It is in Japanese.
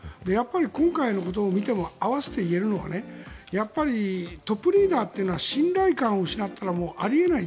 今回のことを見ても併せて言えるのはやっぱりトップリーダーっていうのは信頼感を失ったらあり得ない。